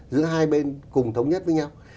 giữa hai bên cùng thống nhất với nhau